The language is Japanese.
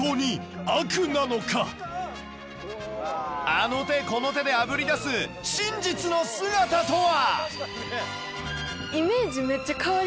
あの手この手であぶり出す真実の姿とは！？